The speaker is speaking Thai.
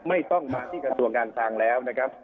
ไม่ต้องมาที่กระทรวงการคลังแล้วนะครับ